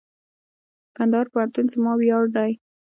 کندهار پوهنتون زما ویاړ دئ.